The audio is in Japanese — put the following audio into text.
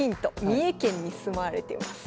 三重県に住まれてます。